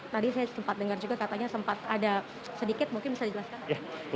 tadi saya sempat dengar juga katanya sempat ada sedikit mungkin bisa dijelaskan